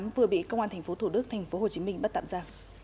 vừa bị công an tp hcm bắt tạm ra